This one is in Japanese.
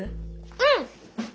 うん！